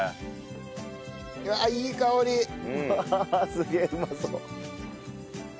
すげえうまそう。